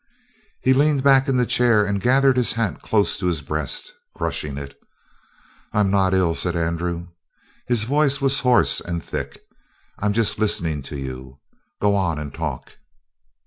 He had leaned back in the chair and gathered his hat close to his breast, crushing it. "I'm not ill," said Andrew. His voice was hoarse and thick. "I'm just listening to you. Go on and talk."